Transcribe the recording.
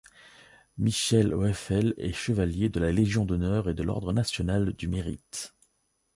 Michel Hoeffel est chevalier de la Légion d'honneur et de l'Ordre national du Mérite.